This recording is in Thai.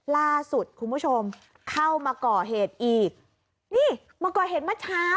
ล่าสุดคุณผู้ชมเข้ามาก่อเหตุอีกนี่มาก่อเหตุเมื่อเช้า